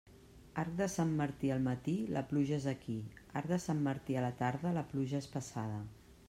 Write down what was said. Arc de Sant Martí al matí, la pluja és aquí; arc de Sant Martí a la tarda, la pluja és passada.